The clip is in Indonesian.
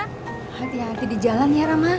hati hati di jalan ya rama